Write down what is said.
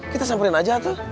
kita samperin aja tuh